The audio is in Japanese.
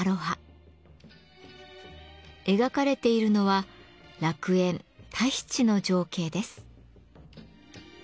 描かれているのは楽園・タヒチの情景です。